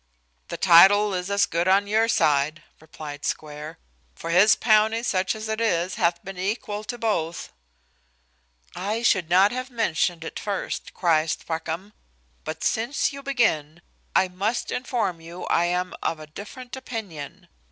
"The title is as good on your side," replied Square, "for his bounty, such as it is, hath been equal to both." "I should not have mentioned it first," cries Thwackum, "but since you begin, I must inform you I am of a different opinion.